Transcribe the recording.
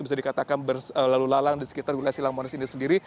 bisa dikatakan berlalu lalang di sekitar wilayah silang monas ini sendiri